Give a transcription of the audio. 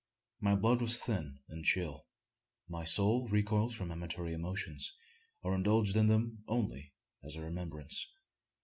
My blood was thin and chill. My soul recoiled from amatory emotions, or indulged in them only as a remembrance.